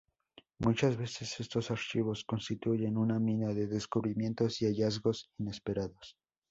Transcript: Muchas veces estos archivos constituyen una mina de descubrimientos y hallazgos inesperados.